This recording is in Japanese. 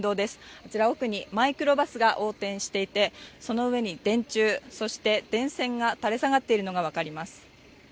こちら奥にマイクロバスが横転していて、その上に電柱、そして電線が垂れ下がっているのが分かります。